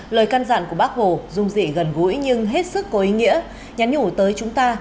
lời can dặn của bác hồ dung dị gần gũi nhưng hết sức có ý nghĩa nhắn nhủ tới chúng ta